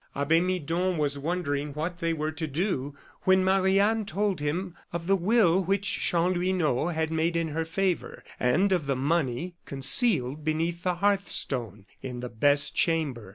Abbe Midon was wondering what they were to do, when Marie Anne told him of the will which Chanlouineau had made in her favor, and of the money concealed beneath the hearth stone in the best chamber.